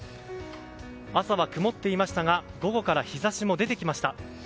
朝は曇っていましたが午後から日差しも出てきました。